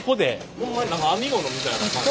ホンマに何か編み物みたいな感じ。